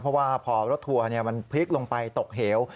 เพราะว่าพอรถทัวร์มันพลิกลงไปตกเหว